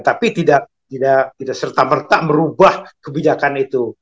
tapi tidak serta merta merubah kebijakan itu